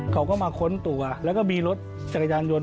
เขาก็มาค้นตัวแล้วก็มีรถจักรยานยนต